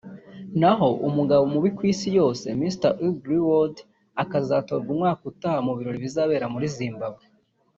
naho umugabo mubi ku isi yose (Mr Ugly World) akazatorwa umwaka utaha mu birori bizabera muri Zimbabwe